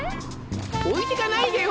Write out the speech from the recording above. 置いてかないでよ！